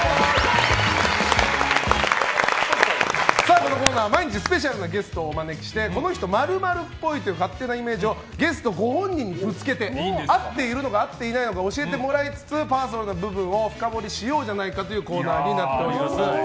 このコーナーは毎日スペシャルなゲストをお招きしてこの人〇〇っぽいという勝手なイメージをゲストご本人にぶつけてあっているのかあっていないのか教えてもらいつつパーソナルな部分を深掘りしようというコーナーになっております。